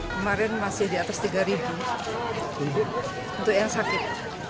kemarin masih di atas tiga untuk yang sakit